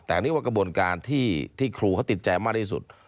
แต่อันนี้ว่ากระบวนการที่ครูเขาติดใจมากที่สุด